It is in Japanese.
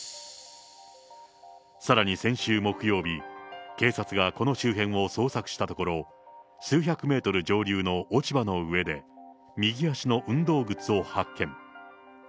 さらに先週木曜日、警察がこの周辺を捜索したところ、数百メートル上流の落ち葉の上で、右足の運動靴を発見。